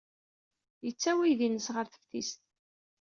Yettawi aydi-nnes ɣer teftist.